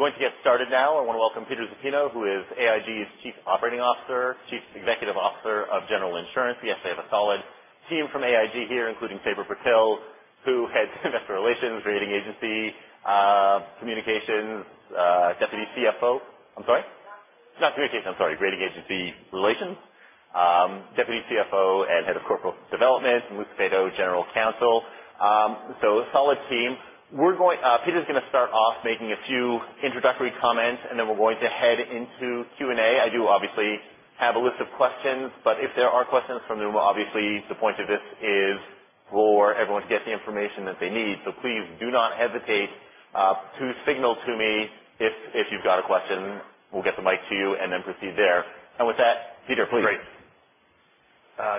We're going to get started now. I want to welcome Peter Zaffino, who is AIG's Chief Operating Officer, Chief Executive Officer of General Insurance. We also have a solid team from AIG here, including Sabra Purtill, who heads Investor Relations, Rating Agency, Communications, Deputy CFO. I'm sorry? Rating Agency. Not Communications. I'm sorry. Rating Agency Relations, Deputy CFO, and Head of Corporate Development. Rose Marie Glazer, General Counsel. A solid team. Peter's going to start off making a few introductory comments, then we're going to head into Q&A. I do obviously have a list of questions, but if there are questions from the room, obviously, the point of this is for everyone to get the information that they need. Please do not hesitate to signal to me if you've got a question. We'll get the mic to you then proceed there. With that, Peter, please. Great.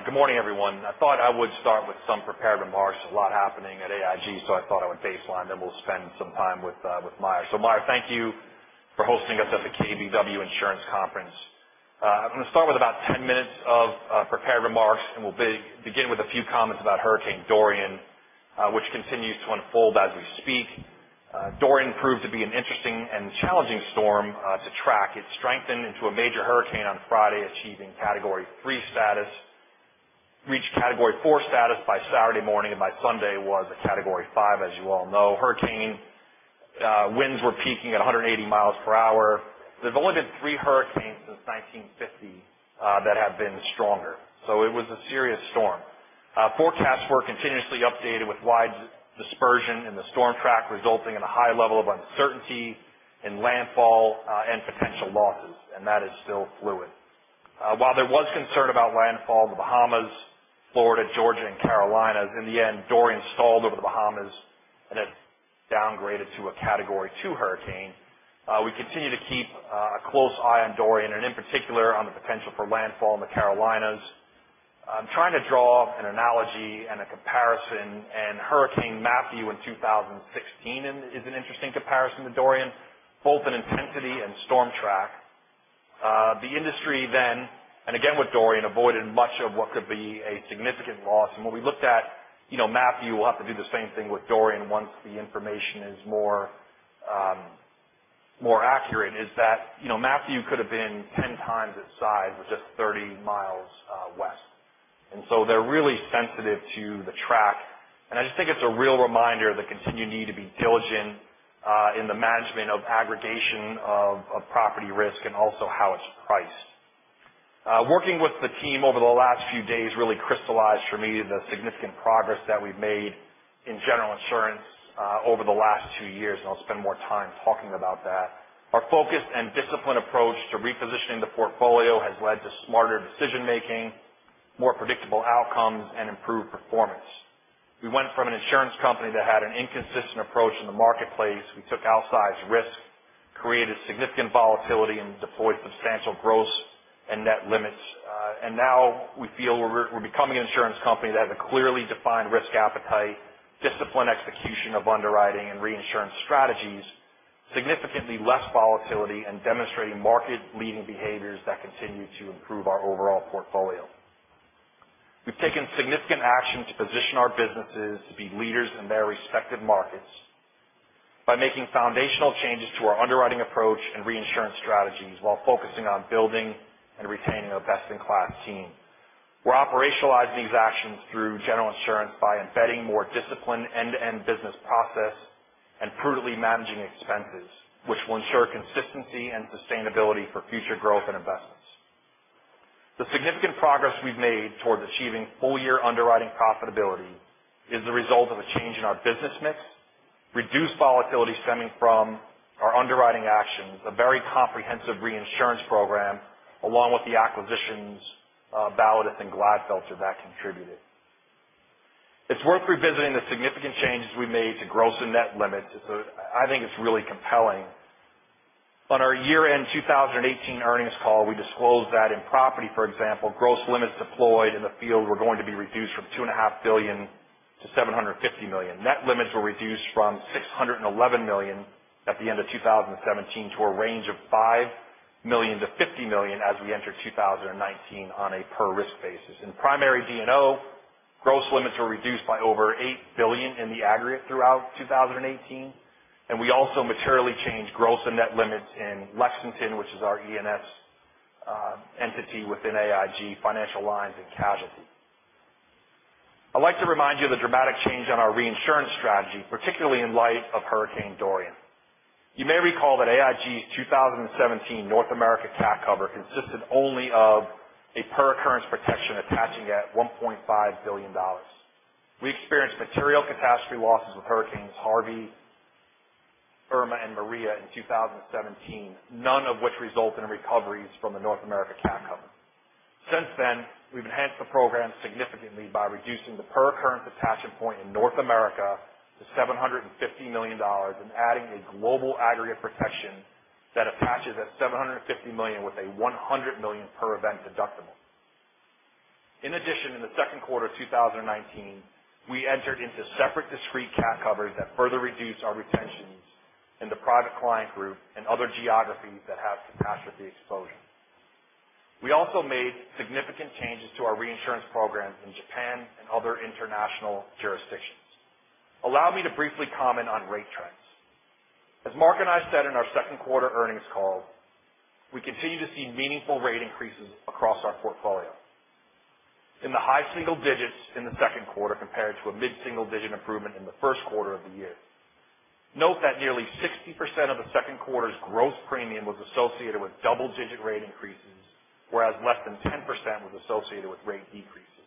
Good morning, everyone. I thought I would start with some prepared remarks. A lot happening at AIG, I thought I would baseline, then we'll spend some time with Meyer Shields. Meyer, thank you for hosting us at the KBW Insurance Conference. I'm going to start with about 10 minutes of prepared remarks, and we'll begin with a few comments about Hurricane Dorian, which continues to unfold as we speak. Dorian proved to be an interesting and challenging storm to track. It strengthened into a major hurricane on Friday, achieving Category 3 status, reached Category 4 status by Saturday morning, and by Sunday was a Category 5, as you all know. Hurricane winds were peaking at 180 miles per hour. There's only been three hurricanes since 1950 that have been stronger. It was a serious storm. Forecasts were continuously updated with wide dispersion in the storm track, resulting in a high level of uncertainty in landfall and potential losses, and that is still fluid. While there was concern about landfall in the Bahamas, Florida, Georgia, and Carolinas, in the end, Hurricane Dorian stalled over the Bahamas and has downgraded to a Category 2 hurricane. We continue to keep a close eye on Hurricane Dorian and in particular on the potential for landfall in the Carolinas. I'm trying to draw an analogy and a comparison, Hurricane Matthew in 2016 is an interesting comparison to Hurricane Dorian, both in intensity and storm track. The industry then, and again with Hurricane Dorian, avoided much of what could be a significant loss. When we looked at Hurricane Matthew, we'll have to do the same thing with Hurricane Dorian once the information is more accurate, is that Hurricane Matthew could have been 10 times its size with just 30 miles west. They're really sensitive to the track. I just think it's a real reminder of the continued need to be diligent in the management of aggregation of property risk and also how it's priced. Working with the team over the last few days really crystallized for me the significant progress that we've made in General Insurance over the last two years, and I'll spend more time talking about that. Our focused and disciplined approach to repositioning the portfolio has led to smarter decision-making, more predictable outcomes, and improved performance. We went from an insurance company that had an inconsistent approach in the marketplace. We took outsized risks, created significant volatility, and deployed substantial gross and net limits. Now we feel we're becoming an insurance company that has a clearly defined risk appetite, disciplined execution of underwriting and reinsurance strategies, significantly less volatility, and demonstrating market-leading behaviors that continue to improve our overall portfolio. We've taken significant action to position our businesses to be leaders in their respective markets by making foundational changes to our underwriting approach and reinsurance strategies while focusing on building and retaining a best-in-class team. We're operationalizing these actions through General Insurance by embedding more disciplined end-to-end business process and prudently managing expenses, which will ensure consistency and sustainability for future growth and investments. The significant progress we've made towards achieving full-year underwriting profitability is the result of a change in our business mix, reduced volatility stemming from our underwriting actions, a very comprehensive reinsurance program, along with the acquisitions of Validus and Glatfelter that contributed. It's worth revisiting the significant changes we made to gross and net limits. I think it's really compelling. On our year-end 2018 earnings call, we disclosed that in property, for example, gross limits deployed in the field were going to be reduced from $2.5 billion to $750 million. Net limits were reduced from $611 million at the end of 2017 to a range of $5 million-$50 million as we enter 2019 on a per-risk basis. In primary P&C, gross limits were reduced by over $8 billion in the aggregate throughout 2018. We also materially changed gross and net limits in Lexington, which is our E&S entity within AIG, Financial Lines and Casualty. I'd like to remind you of the dramatic change in our reinsurance strategy, particularly in light of Hurricane Dorian. You may recall that AIG's 2017 North America cat cover consisted only of a per-occurrence protection attaching at $1.5 billion. We experienced material catastrophe losses with hurricanes Harvey, Irma, and Maria in 2017, none of which result in recoveries from the North America cat cover. Since then, we've enhanced the program significantly by reducing the per-occurrence attachment point in North America to $750 million and adding a global aggregate protection that attaches at $750 million with a $100 million per event deductible. In addition, in the second quarter of 2019, we entered into separate discrete cat covers that further reduce our retentions in the AIG Private Client Group and other geographies that have catastrophe exposure. We also made significant changes to our reinsurance programs in Japan and other international jurisdictions. Allow me to briefly comment on rate trends. As Mark and I said in our second quarter earnings call, we continue to see meaningful rate increases across our portfolio. In the high single digits in the second quarter compared to a mid-single digit improvement in the first quarter of the year. Note that nearly 60% of the second quarter's gross premium was associated with double-digit rate increases, whereas less than 10% was associated with rate decreases.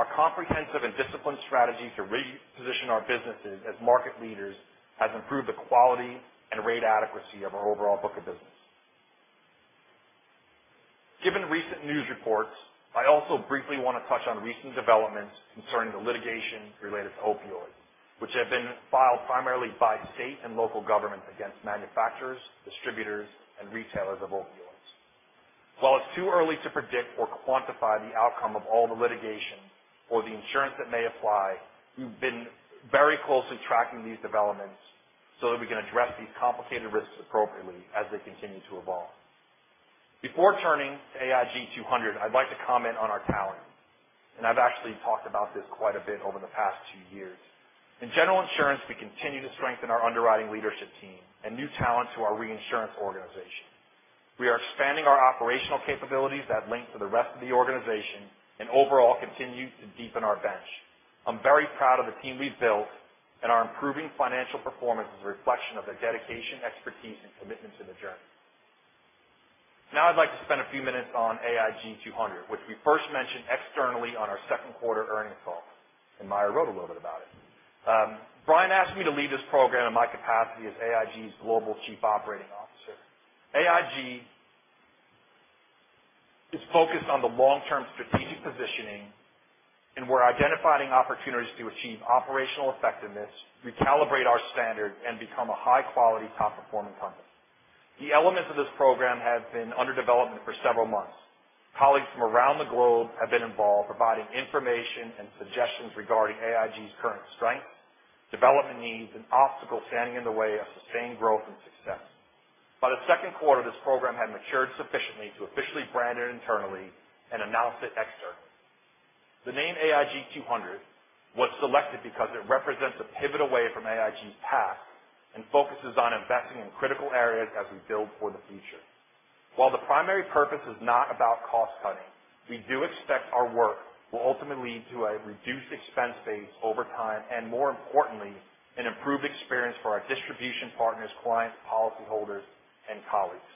Our comprehensive and disciplined strategy to reposition our businesses as market leaders has improved the quality and rate adequacy of our overall book of business. Given recent news reports, I also briefly want to touch on recent developments concerning the litigation related to opioids, which have been filed primarily by state and local governments against manufacturers, distributors, and retailers of opioids. While it's too early to predict or quantify the outcome of all the litigation or the insurance that may apply, we've been very closely tracking these developments so that we can address these complicated risks appropriately as they continue to evolve. Before turning to AIG 200, I'd like to comment on our talent. I've actually talked about this quite a bit over the past two years. In general insurance, we continue to strengthen our underwriting leadership team and new talent to our reinsurance organization. We are expanding our operational capabilities that link to the rest of the organization and overall continue to deepen our bench. I'm very proud of the team we've built. Our improving financial performance is a reflection of their dedication, expertise, and commitment to the journey. Now I'd like to spend a few minutes on AIG 200, which we first mentioned externally on our second quarter earnings call. Meyer wrote a little bit about it. Brian asked me to lead this program in my capacity as AIG's Global Chief Operating Officer. AIG is focused on the long-term strategic positioning. We're identifying opportunities to achieve operational effectiveness, recalibrate our standard, and become a high-quality, top-performing company. The elements of this program have been under development for several months. Colleagues from around the globe have been involved, providing information and suggestions regarding AIG's current strengths, development needs, and obstacles standing in the way of sustained growth and success. By the second quarter, this program had matured sufficiently to officially brand it internally and announce it externally. The name AIG 200 was selected because it represents a pivot away from AIG's past and focuses on investing in critical areas as we build for the future. While the primary purpose is not about cost-cutting, we do expect our work will ultimately lead to a reduced expense base over time and, more importantly, an improved experience for our distribution partners, clients, policyholders, and colleagues.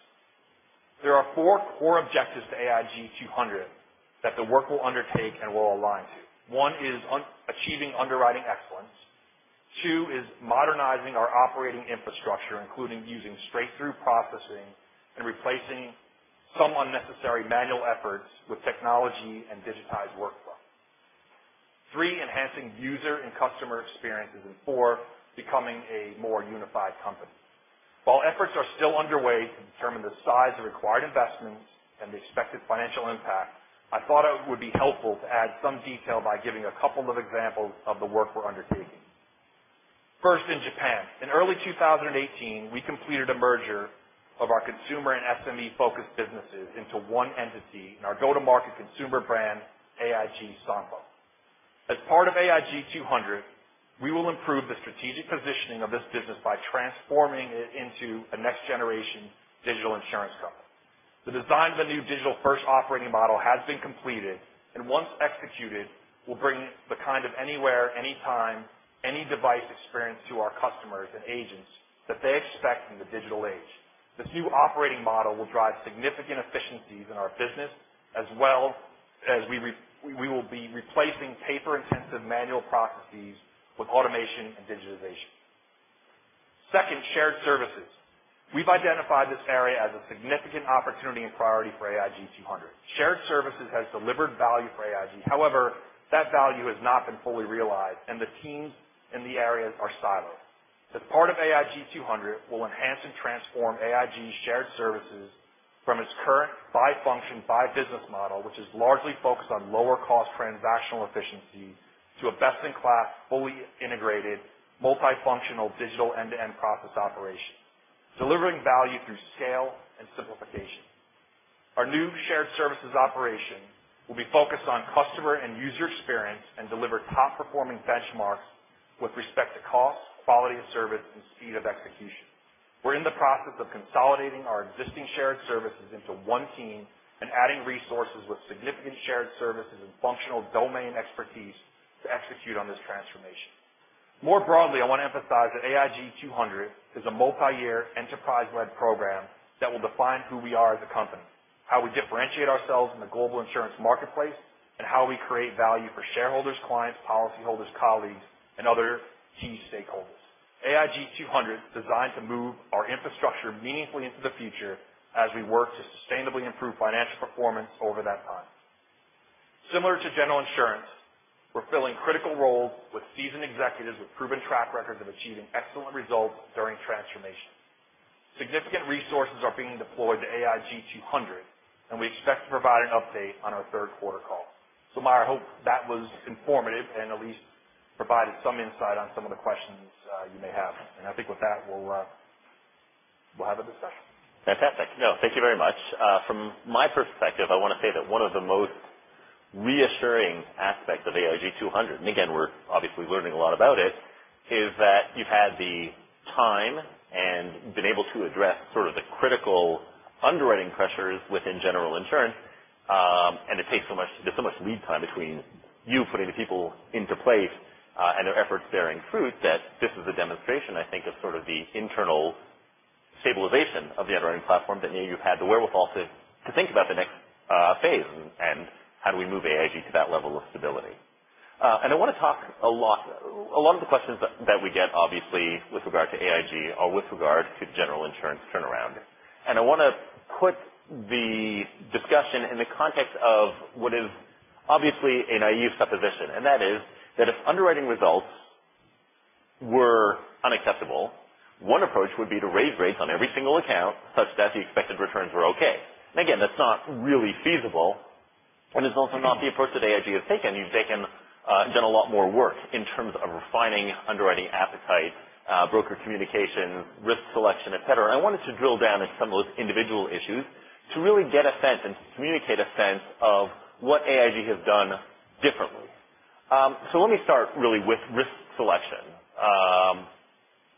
There are four core objectives to AIG 200 that the work will undertake and will align to. One is achieving underwriting excellence. Two is modernizing our operating infrastructure, including using straight-through processing and replacing some unnecessary manual efforts with technology and digitized workflow. Three, enhancing user and customer experiences. Four, becoming a more unified company. While efforts are still underway to determine the size of required investments and the expected financial impact, I thought it would be helpful to add some detail by giving a couple of examples of the work we're undertaking. First, in Japan. In early 2018, we completed a merger of our consumer and SME-focused businesses into one entity in our go-to-market consumer brand, AIG Sonpo. As part of AIG 200, we will improve the strategic positioning of this business by transforming it into a next-generation digital insurance company. The designs of the new digital-first operating model has been completed and once executed, will bring the kind of anywhere, anytime, any device experience to our customers and agents that they expect in the digital age. This new operating model will drive significant efficiencies in our business as we will be replacing paper-intensive manual processes with automation and digitization. Second, shared services. We've identified this area as a significant opportunity and priority for AIG 200. Shared services has delivered value for AIG. However, that value has not been fully realized, and the teams in the areas are siloed. As part of AIG 200, we'll enhance and transform AIG's shared services from its current by-function, by-business model, which is largely focused on lower cost transactional efficiencies to a best-in-class, fully integrated, multifunctional digital end-to-end process operation, delivering value through scale and simplification. Our new shared services operation will be focused on customer and user experience and deliver top-performing benchmarks with respect to cost, quality of service, and speed of execution. We're in the process of consolidating our existing shared services into one team and adding resources with significant shared services and functional domain expertise to execute on this transformation. More broadly, I want to emphasize that AIG 200 is a multi-year, enterprise-led program that will define who we are as a company, how we differentiate ourselves in the global insurance marketplace, and how we create value for shareholders, clients, policyholders, colleagues, and other key stakeholders. AIG 200 is designed to move our infrastructure meaningfully into the future as we work to sustainably improve financial performance over that time. Similar to General Insurance, we're filling critical roles with seasoned executives with proven track records of achieving excellent results during transformation. Significant resources are being deployed to AIG 200, and we expect to provide an update on our third quarter call. Meyer, I hope that was informative and at least provided some insight on some of the questions you may have. I think with that, we'll have a discussion. Fantastic. No, thank you very much. From my perspective, I want to say that one of the most reassuring aspects of AIG 200, and again, we're obviously learning a lot about it, is that you've had the time and been able to address sort of the critical underwriting pressures within General Insurance. There's so much lead time between you putting the people into place and their efforts bearing fruit that this is a demonstration, I think, of sort of the internal stabilization of the underwriting platform that you've had the wherewithal to think about the next phase and how do we move AIG to that level of stability. A lot of the questions that we get, obviously, with regard to AIG are with regard to General Insurance turnaround. I want to put the discussion in the context of what is obviously a naive supposition, and that is that if underwriting results were unacceptable, one approach would be to raise rates on every single account such that the expected returns were okay. Again, that's not really feasible, and it's also not the approach that AIG has taken. You've done a lot more work in terms of refining underwriting appetite, broker communication, risk selection, et cetera. I wanted to drill down into some of those individual issues to really get a sense and to communicate a sense of what AIG has done differently. Let me start really with risk selection.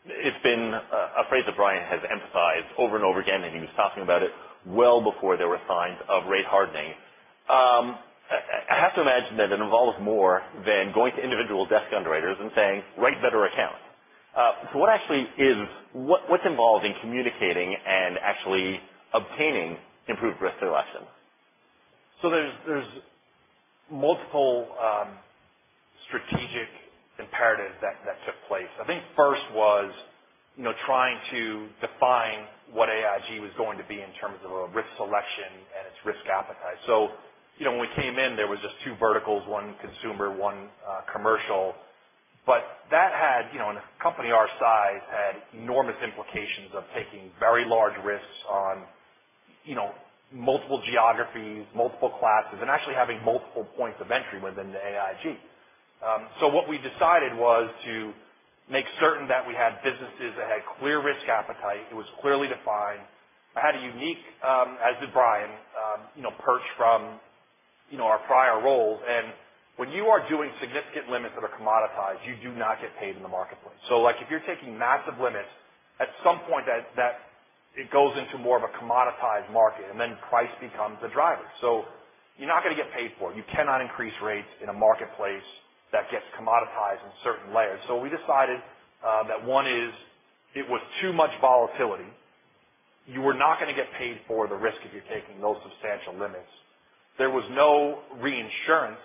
It's been a phrase that Brian has emphasized over and over again, and he was talking about it well before there were signs of rate hardening. I have to imagine that it involves more than going to individual desk underwriters and saying, "Write better accounts." What's involved in communicating and actually obtaining improved risk selection? There's multiple strategic imperatives that took place. I think first was trying to define what AIG was going to be in terms of risk selection and its risk appetite. When we came in, there was just two verticals, one consumer, one commercial. In a company our size, had enormous implications of taking very large risks on multiple geographies, multiple classes, and actually having multiple points of entry within AIG. What we decided was to make certain that we had businesses that had clear risk appetite. It was clearly defined. I had a unique, as did Brian, perch from our prior roles. When you are doing significant limits that are commoditized, you do not get paid in the marketplace. If you're taking massive limits, at some point, it goes into more of a commoditized market, and then price becomes a driver. You're not going to get paid for it. You cannot increase rates in a marketplace that gets commoditized in certain layers. We decided that one is it was too much volatility. You were not going to get paid for the risk if you're taking those substantial limits. There was no reinsurance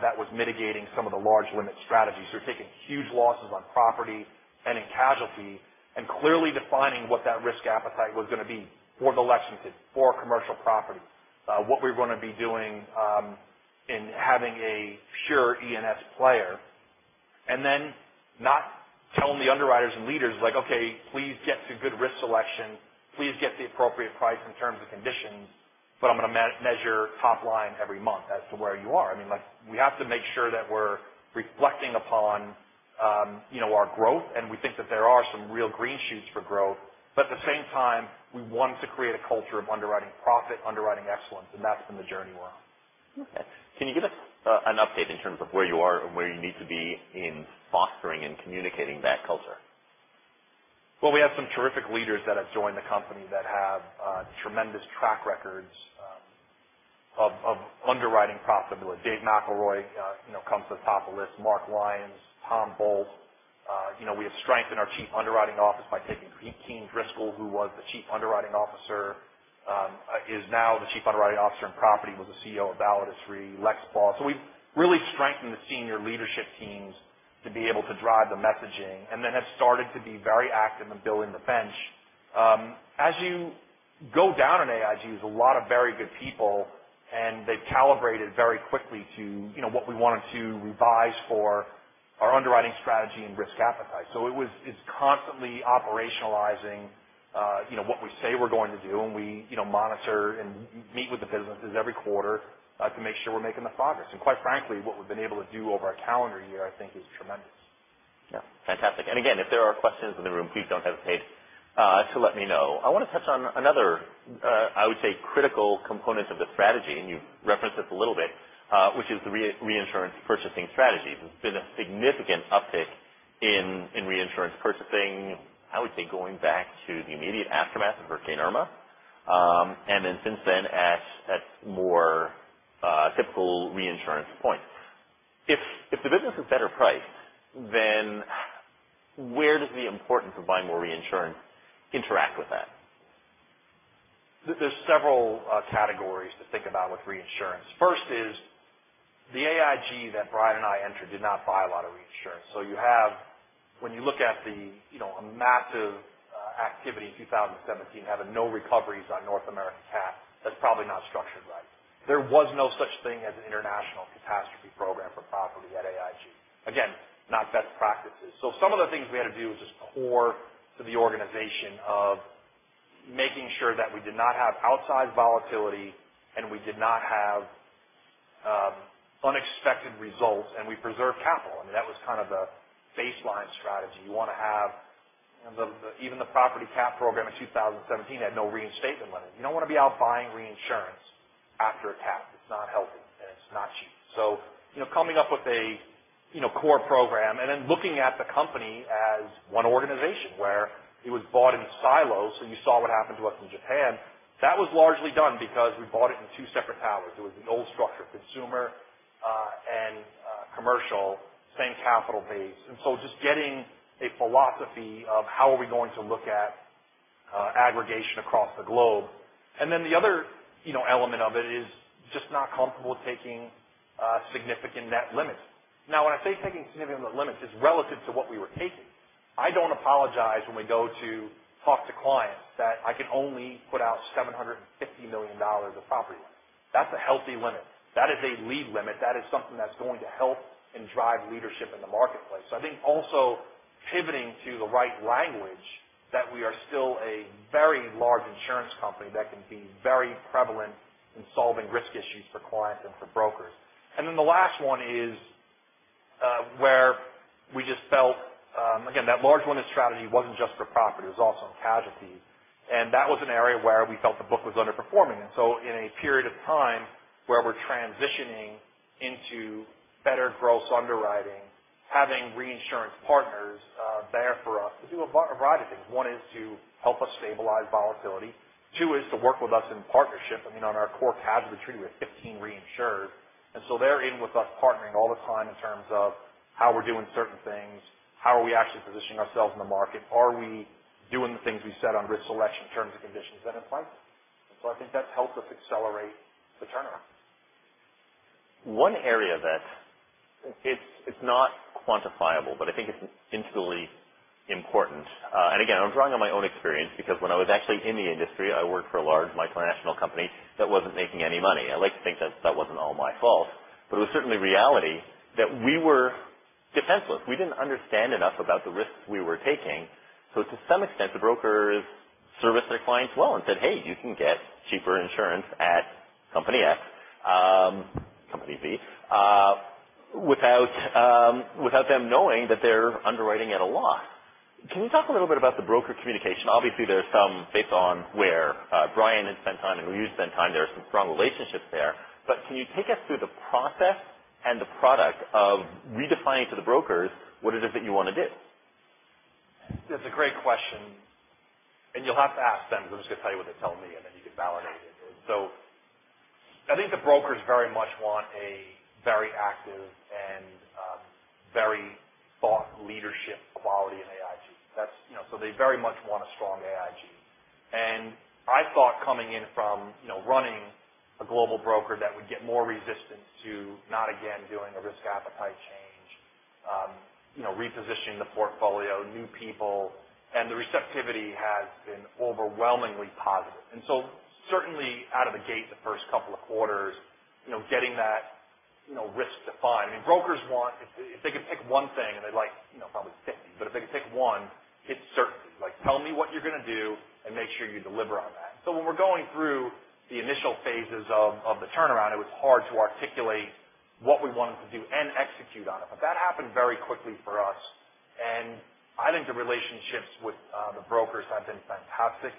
that was mitigating some of the large limit strategies. You're taking huge losses on property and in casualty and clearly defining what that risk appetite was going to be for the Lexington, for our commercial property, what we were going to be doing in having a pure E&S player. Not telling the underwriters and leaders, like, "Okay, please get to good risk selection. Please get the appropriate price in terms of conditions, but I'm going to measure top line every month as to where you are." We have to make sure that we're reflecting upon our growth, and we think that there are some real green shoots for growth. At the same time, we want to create a culture of underwriting profit, underwriting excellence, and that's been the journey we're on. Okay. Can you give us an update in terms of where you are and where you need to be in fostering and communicating that culture? Well, we have some terrific leaders that have joined the company that have tremendous track records of underwriting profitability. Dave McElroy comes to the top of the list, Mark Lyons, Tom Bolt. We have strength in our chief underwriting office by taking Kean Driscoll, who was the chief underwriting officer, is now the chief underwriting officer in property, was the CEO of Validus Re, Lex Baugh. We've really strengthened the senior leadership teams to be able to drive the messaging and then have started to be very active in building the bench. As you go down in AIG, there's a lot of very good people, and they've calibrated very quickly to what we wanted to revise for our underwriting strategy and risk appetite. It's constantly operationalizing what we say we're going to do. We monitor and meet with the businesses every quarter to make sure we're making the progress. Quite frankly, what we've been able to do over our calendar year, I think, is tremendous. Yeah. Fantastic. Again, if there are questions in the room, please don't hesitate to let me know. I want to touch on another, I would say, critical component of the strategy, and you've referenced this a little bit, which is the reinsurance purchasing strategy. There's been a significant uptick in reinsurance purchasing, I would say, going back to the immediate aftermath of Hurricane Irma. Since then, at more typical reinsurance points. If the business is better priced, then where does the importance of buying more reinsurance interact with that? There's several categories to think about with reinsurance. First is the AIG that Brian and I entered did not buy a lot of reinsurance. When you look at the massive activity in 2017, having no recoveries on North American cat, that's probably not structured right. There was no such thing as an international catastrophe program for property at AIG. Again, not best practices. Some of the things we had to do was just core to the organization of making sure that we did not have outsized volatility and we did not have unexpected results, and we preserved capital. That was kind of the baseline strategy. Even the property cat program in 2017 had no reinstatement limit. You don't want to be out buying reinsurance after a cat. It's not healthy, and it's not cheap. Coming up with a core program and then looking at the company as one organization where it was bought in silos. You saw what happened to us in Japan. That was largely done because we bought it in two separate towers. It was an old structure, consumer and commercial, same capital base. Just getting a philosophy of how are we going to look at aggregation across the globe. The other element of it is just not comfortable with taking significant net limits. Now, when I say taking significant net limits, it's relative to what we were taking. I don't apologize when we go to talk to clients that I can only put out $750 million of property. That's a healthy limit. That is a lead limit. That is something that's going to help and drive leadership in the marketplace. I think also pivoting to the right language, that we are still a very large insurance company that can be very prevalent in solving risk issues for clients and for brokers. The last one is where we just felt, again, that large limit strategy wasn't just for property, it was also in casualties. That was an area where we felt the book was underperforming. In a period of time where we're transitioning into better gross underwriting, having reinsurance partners there for us to do a variety of things. One is to help us stabilize volatility. Two is to work with us in partnership. On our core casualty treaty, we have 15 reinsurers, they're in with us partnering all the time in terms of how we're doing certain things, how are we actually positioning ourselves in the market? Are we doing the things we said on risk selection in terms of conditions and insights? I think that's helped us accelerate the turnaround. One area that it's not quantifiable, but I think it's instantly important. Again, I'm drawing on my own experience because when I was actually in the industry, I worked for a large multinational company that wasn't making any money. I like to think that wasn't all my fault, but it was certainly reality that we were defenseless. We didn't understand enough about the risks we were taking. To some extent, the brokers serviced their clients well and said, "Hey, you can get cheaper insurance at company A, company B," without them knowing that they're underwriting at a loss. Can you talk a little bit about the broker communication? Obviously, based on where Brian had spent time and where you spent time, there are some strong relationships there. Can you take us through the process and the product of redefining to the brokers what it is that you want to do? That's a great question, you'll have to ask them because I'm just going to tell you what they tell me, then you can validate it. I think the brokers very much want a very active and very thought leadership quality in AIG. They very much want a strong AIG. I thought coming in from running a global broker, that would get more resistance to not, again, doing a risk appetite change, repositioning the portfolio, new people, the receptivity has been overwhelmingly positive. Certainly out of the gate, the first couple of quarters, getting that risk defined. Brokers want, if they could pick one thing and they'd like probably 50, but if they could pick one, it's certainty. Tell me what you're going to do and make sure you deliver on that. When we're going through the initial phases of the turnaround, it was hard to articulate what we wanted to do and execute on it. That happened very quickly for us. I think the relationships with the brokers have been fantastic.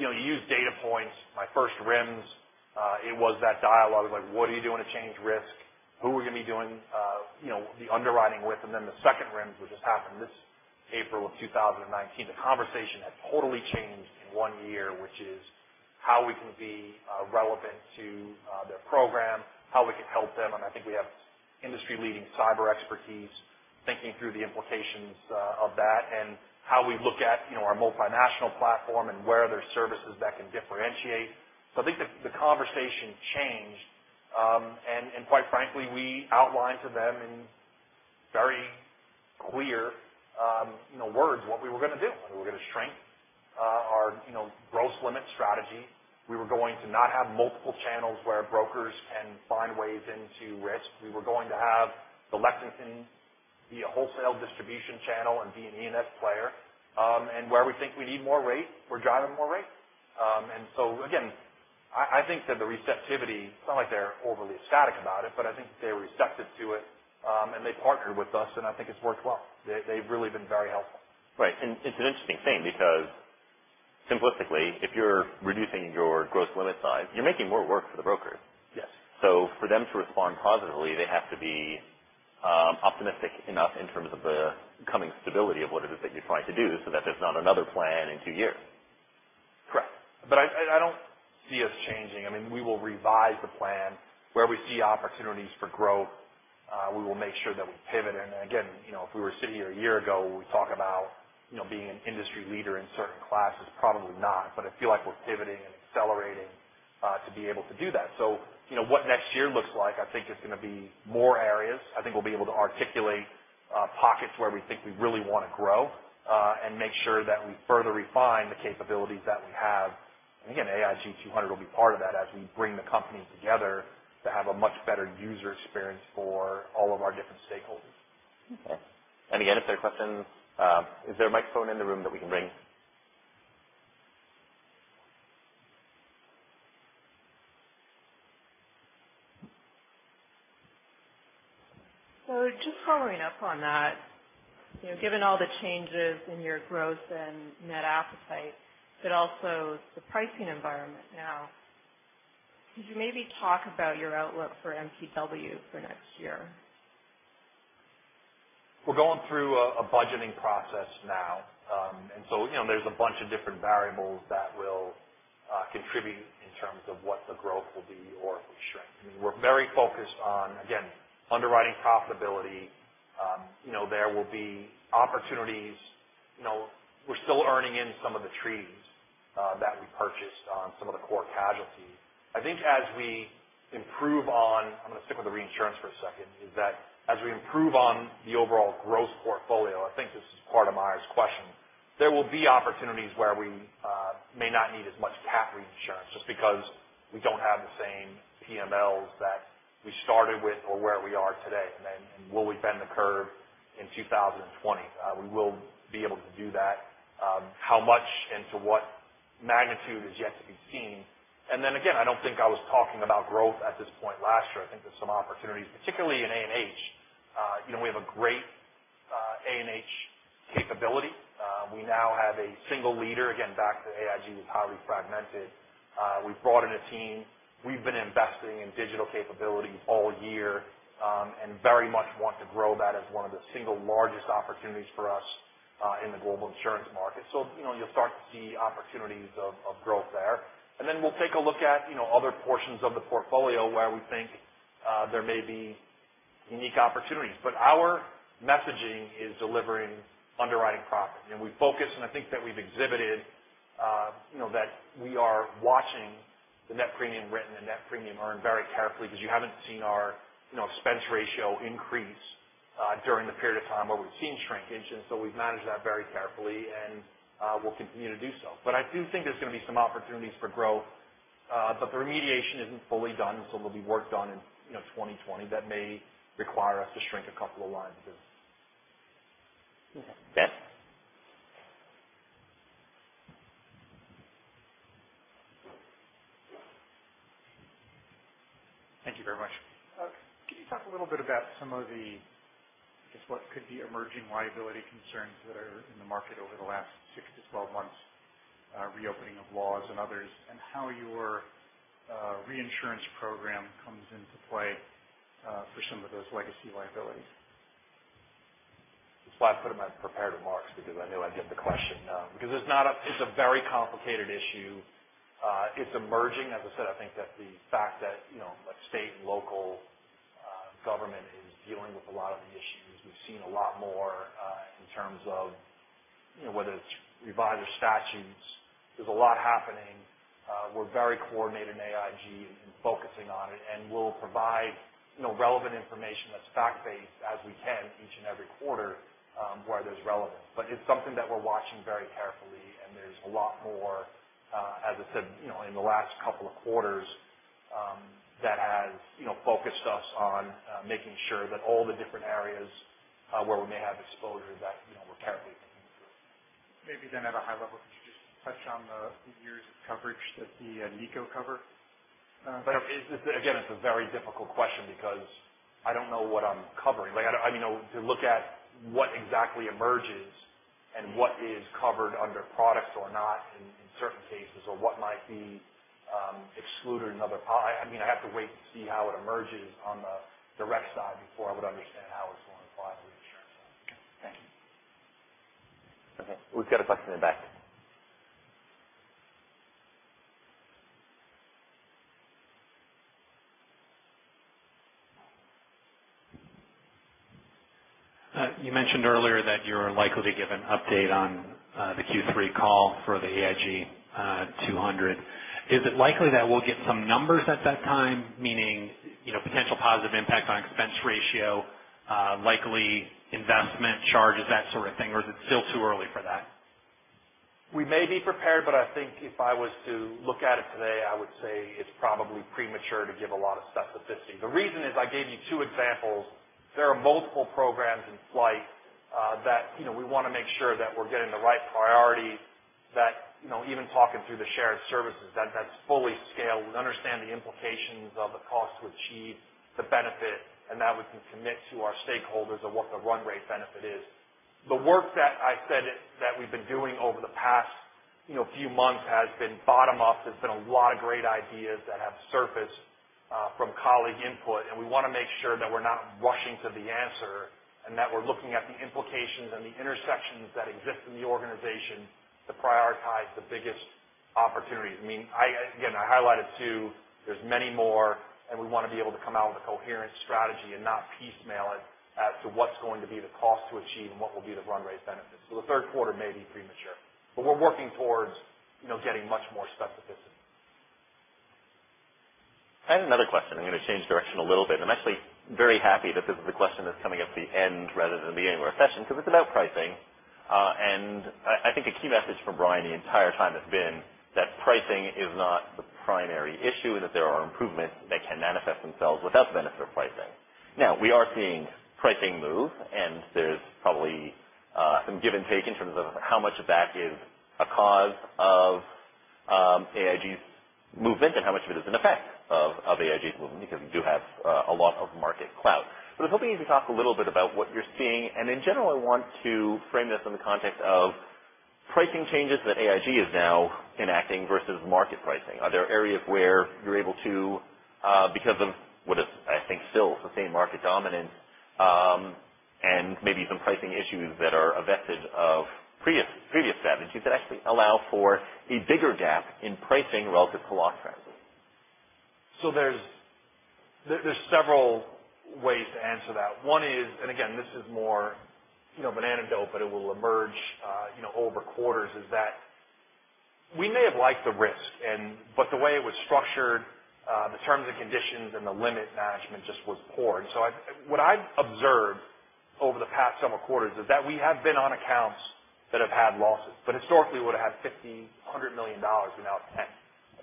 You use data points. My first RIMS, it was that dialogue of, what are you doing to change risk? Who are we going to be doing the underwriting with? The second RIMS, which just happened this April of 2019, the conversation had totally changed in one year, which is how we can be relevant to their program, how we can help them. I think we have industry-leading cyber expertise, thinking through the implications of that and how we look at our multinational platform and where there's services that can differentiate. I think the conversation changed. Quite frankly, we outlined to them in very clear words what we were going to do. We were going to strengthen our gross limit strategy. We were going to not have multiple channels where brokers can find ways into risk. We were going to have the Lexington be a wholesale distribution channel and be an E&S player. Where we think we need more rates, we're driving more rates. Again, I think that the receptivity, it's not like they're overly ecstatic about it, but I think they're receptive to it. They've partnered with us, I think it's worked well. They've really been very helpful. Right. It's an interesting thing because simplistically, if you're reducing your gross limit size, you're making more work for the brokers. Yes. For them to respond positively, they have to be optimistic enough in terms of the coming stability of what it is that you're trying to do so that there's not another plan in two years. Correct. I don't see us changing. We will revise the plan. Where we see opportunities for growth, we will make sure that we pivot. Again, if we were sitting here a year ago, would we talk about being an industry leader in certain classes? Probably not. I feel like we're pivoting and accelerating to be able to do that. What next year looks like, I think it's going to be more areas. I think we'll be able to articulate pockets where we think we really want to grow and make sure that we further refine the capabilities that we have. Again, AIG 200 will be part of that as we bring the company together to have a much better user experience for all of our different stakeholders. Okay. Again, if there are questions, is there a microphone in the room that we can bring? Just following up on that, given all the changes in your growth and net appetite, but also the pricing environment now, could you maybe talk about your outlook for NPW for next year? We're going through a budgeting process now. There's a bunch of different variables that will contribute in terms of what the growth will be or if we shrink. We're very focused on, again, underwriting profitability. There will be opportunities. We're still earning in some of the treaties that we purchased on some of the core casualties. I'm going to stick with the reinsurance for a second, is that as we improve on the overall growth portfolio, I think this is part of Meyer's question, there will be opportunities where we may not need as much cat reinsurance just because we don't have the same PMLs that we started with or where we are today. Will we bend the curve in 2020? We will be able to do that. How much and to what magnitude is yet to be seen. Again, I don't think I was talking about growth at this point last year. I think there's some opportunities, particularly in A&H. We have a great A&H capability. We now have a single leader. Again, back to AIG was highly fragmented. We've brought in a team. We've been investing in digital capabilities all year, and very much want to grow that as one of the single largest opportunities for us in the global insurance market. You'll start to see opportunities of growth there. We'll take a look at other portions of the portfolio where we think there may be unique opportunities. Our messaging is delivering underwriting profit. We focus and I think that we've exhibited that we are watching the net premium written and net premium earned very carefully because you haven't seen our expense ratio increase during the period of time where we've seen shrinkage. We've managed that very carefully, and we'll continue to do so. I do think there's going to be some opportunities for growth. The remediation isn't fully done, so we'll be worked on in 2020. That may require us to shrink a couple of lines too. Okay. Ben? Thank you very much. Can you talk a little bit about some of the, I guess, what could be emerging liability concerns that are in the market over the last six to 12 months, reopening of laws and others, and how your reinsurance program comes into play for some of those legacy liabilities? That's why I put them in my prepared remarks because I knew I'd get the question. It's a very complicated issue. It's emerging. As I said, I think that the fact that state and local government is dealing with a lot of the issues, we've seen a lot more in terms of whether it's revised or statutes. There's a lot happening. We're very coordinated in AIG and focusing on it, and we'll provide relevant information that's fact-based as we can each and every quarter where there's relevance. It's something that we're watching very carefully, and there's a lot more, as I said, in the last couple of quarters that has focused us on making sure that all the different areas where we may have exposure that we're carefully thinking through. Maybe at a high level, could you just touch on the years of coverage that the NICO cover? Again, it's a very difficult question because I don't know what I'm covering. To look at what exactly emerges and what is covered under products or not in certain cases or what might be excluded. I have to wait to see how it emerges on the direct side before I would understand how it's going to apply to the reinsurance side. Okay. Thank you. Okay. We've got a question in the back. You mentioned earlier that you're likely to give an update on the Q3 call for the AIG 200. Is it likely that we'll get some numbers at that time? Meaning, potential positive impact on expense ratio, likely investment charges, that sort of thing, or is it still too early for that? We may be prepared, I think if I was to look at it today, I would say it's probably premature to give a lot of specificity. The reason is I gave you two examples. There are multiple programs in flight that we want to make sure that we're getting the right priorities, that even talking through the shared services, that's fully scaled. We understand the implications of the cost to achieve the benefit, and that we can commit to our stakeholders of what the run rate benefit is. The work that I said that we've been doing over the past few months has been bottom up. There's been a lot of great ideas that have surfaced from colleague input. We want to make sure that we're not rushing to the answer and that we're looking at the implications and the intersections that exist in the organization to prioritize the biggest opportunities. Again, I highlighted two. There's many more. We want to be able to come out with a coherent strategy and not piecemeal it as to what's going to be the cost to achieve and what will be the run rate benefit. The third quarter may be premature. We're working towards getting much more specificity. I have another question. I'm going to change direction a little bit. I'm actually very happy that this is a question that's coming at the end rather than the beginning of our session because it's about pricing. I think a key message from Brian the entire time has been that pricing is not the primary issue and that there are improvements that can manifest themselves without benefit of pricing. Now, we are seeing pricing move. There's probably some give and take in terms of how much of that is a cause of AIG's movement and how much of it is an effect of AIG's movement because we do have a lot of market clout. I was hoping you could talk a little bit about what you're seeing. In general, I want to frame this in the context of pricing changes that AIG is now enacting versus market pricing. Are there areas where you're able to, because of what is, I think, still sustained market dominance, maybe some pricing issues that are a vestige of previous averages that actually allow for a bigger gap in pricing relative to loss trends? There's several ways to answer that. One is, again, this is more of an anecdote, it will emerge over quarters, is that we may have liked the risk. The way it was structured, the terms and conditions, the limit management just was poor. What I observed over the past several quarters is that we have been on accounts that have had losses, but historically would have had 50, $100 million, we're now at 10.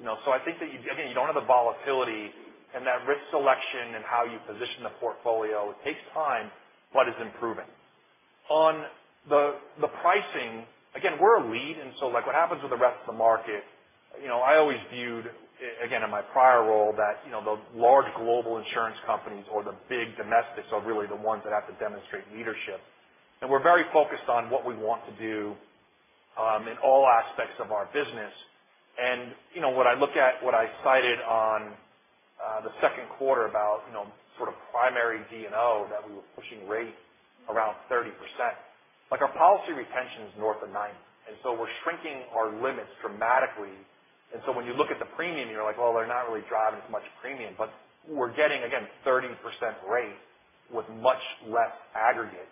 I think that you, again, you don't have the volatility, that risk selection and how you position the portfolio, it takes time, is improving. On the pricing, again, we're a lead. What happens with the rest of the market, I always viewed, again, in my prior role that the large global insurance companies or the big domestics are really the ones that have to demonstrate leadership. We're very focused on what we want to do, in all aspects of our business. When I look at what I cited on the second quarter about sort of primary D&O that we were pushing rates around 30%. Our policy retention is north of 90%. We're shrinking our limits dramatically. When you look at the premium, you're like, well, they're not really driving as much premium, but we're getting, again, 30% rates with much less aggregate,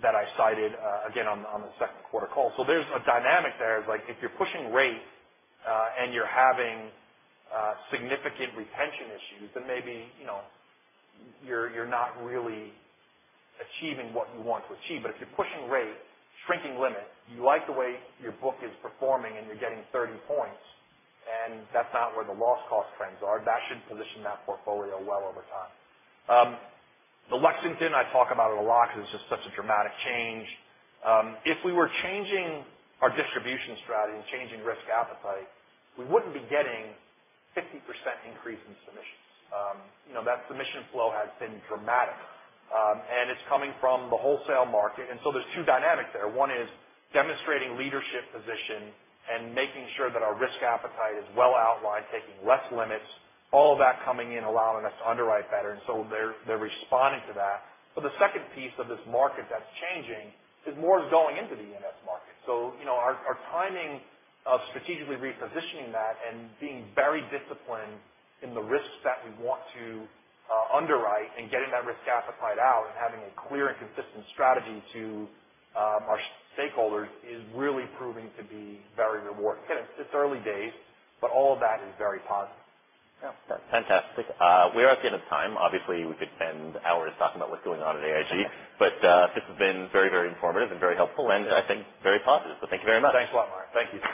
that I cited, again, on the second quarter call. There's a dynamic there of if you're pushing rates, and you're having significant retention issues, then maybe you're not really achieving what you want to achieve. If you're pushing rates, shrinking limits, you like the way your book is performing, and you're getting 30 points, and that's not where the loss cost trends are, that should position that portfolio well over time. The Lexington I talk about it a lot because it's just such a dramatic change. If we were changing our distribution strategy and changing risk appetite, we wouldn't be getting 50% increase in submissions. That submission flow has been dramatic. It's coming from the wholesale market. There's two dynamics there. One is demonstrating leadership position and making sure that our risk appetite is well outlined, taking less limits, all of that coming in, allowing us to underwrite better. They're responding to that. The second piece of this market that's changing is more is going into the E&S market. Our timing of strategically repositioning that and being very disciplined in the risks that we want to underwrite and getting that risk appetite out and having a clear and consistent strategy to our stakeholders is really proving to be very rewarding. Again, it's early days, but all of that is very positive. Yeah. Fantastic. We are at the end of time. Obviously, we could spend hours talking about what's going on at AIG. This has been very informative and very helpful, and I think very positive. Thank you very much. Thanks a lot, Mark. Thank you.